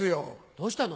どうしたの？